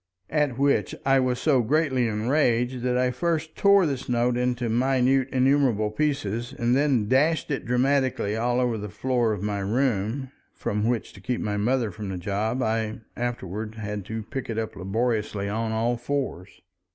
At which I was so greatly enraged that I first tore this note into minute innumerable pieces, and then dashed it dramatically all over the floor of my room—from which, to keep my mother from the job, I afterward had to pick it up laboriously on all fours.